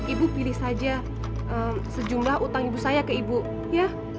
ibu pilih saja sejumlah utang ibu saya ke ibu ya